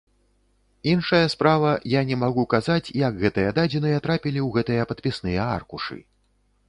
Іншая справа, я не магу казаць, як гэтыя дадзеныя трапілі ў гэтыя падпісныя аркушы.